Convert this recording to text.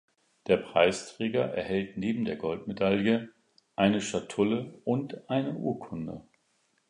Der Preisträger erhält neben der Goldmedaille eine Schatulle und eine Urkunde.